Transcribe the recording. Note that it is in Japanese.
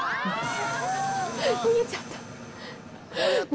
逃げちゃった。